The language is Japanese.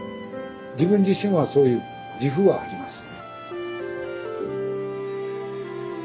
自分自身はそういう自負はあります。